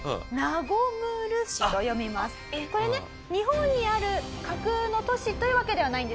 これね日本にある架空の都市というわけではないんですよね？